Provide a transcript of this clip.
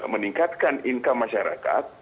meningkatkan income masyarakat